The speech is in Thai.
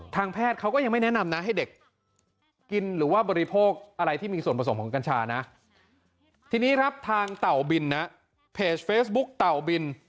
ทางเต่าบินเพจเฟสบุกเต่าบิน